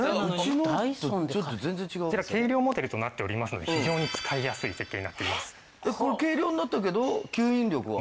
そちら軽量モデルとなっておりますので非常に使いやすい設計になっています。